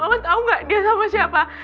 terus mama tau gak dia sama siapa